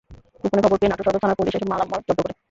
গোপনে খবর পেয়ে নাটোর সদর থানার পুলিশ এসব মালামাল জব্দ করে।